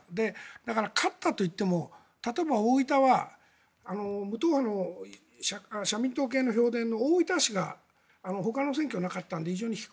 だから勝ったといっても例えば大分は無党派の社民党系の票田の大分市がほかの選挙がなかったので。